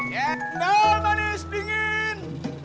jendol manis dingin